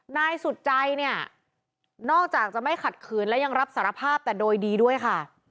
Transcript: นายสุดใจเนี่ยนอกจากจะไม่ขัดขืนและยังรับสารภาพแต่โดยดีด้วยค่ะ